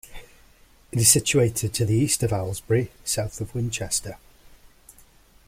It is situated to the east of Owslebury, south of Winchester.